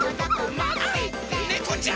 あっねこちゃん！